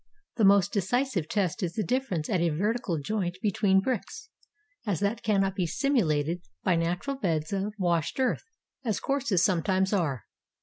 The most deci sive test is the difference at a vertical joint between bricks, as that cannot be simulated by natural beds of washed earth, as courses sometimes are.